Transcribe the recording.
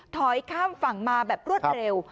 ถอยข้ามฝั่งมาแบบรวดเร็ว